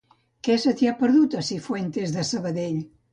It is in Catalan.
Què se t'hi ha perdut, a Cifuentes de Sabadell?